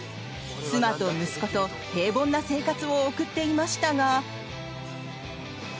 妻と息子と平凡な生活を送っていましたが。